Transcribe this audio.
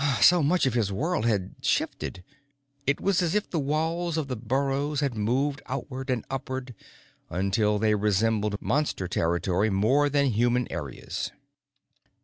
So much of his world had shifted. It was as if the walls of the burrows had moved outward and upward until they resembled Monster territory more than human areas.